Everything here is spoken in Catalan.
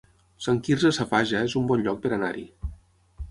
Sant Quirze Safaja es un bon lloc per anar-hi